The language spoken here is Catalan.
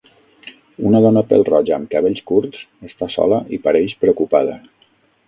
Una dona pèl-roja amb cabells curts està sola i pareix preocupada.